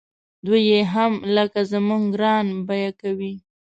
دوی یې هم لکه زموږ ګران بیه کوي.